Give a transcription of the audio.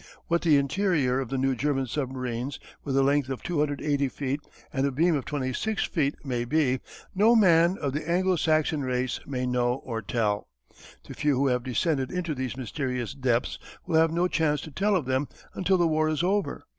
What the interior of the new German submarines with a length of 280 feet, and a beam of 26 feet may be, no man of the Anglo Saxon race may know or tell. The few who have descended into those mysterious depths will have no chance to tell of them until the war is over.